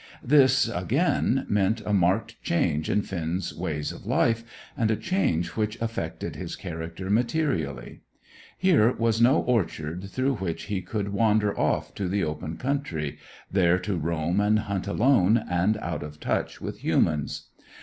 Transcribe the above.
This, again, meant a marked change in Finn's ways of life, and a change which affected his character materially. Here was no orchard through which he could wander off to the open country, there to roam and hunt alone, and out of touch with humans.